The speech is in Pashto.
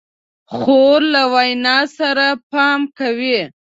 خور له وینا سره پام کوي.